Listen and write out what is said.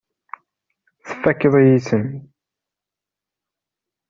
Tfakkeḍ-iyi-ten.